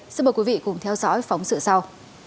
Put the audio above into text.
xin mời quý vị cùng theo dõi phóng sự sau